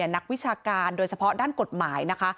นักวิชาการโดยเฉพาะด้านกฎหมายนะคะ